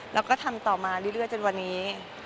แล้วก็ทำต่อมาเรื่อยจนวันนี้